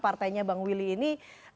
partainya bang willy ini